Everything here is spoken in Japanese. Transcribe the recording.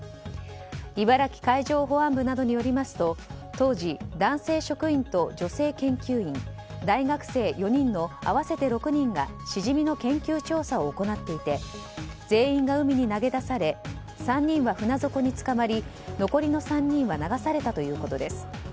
茨城海上保安部などによりますと当時、男性職員と女性研究員大学生４人の合わせて６人がシジミの研究調査を行っていて全員が海に投げ出され３人は船底につかまり残りの３人は流されたということです。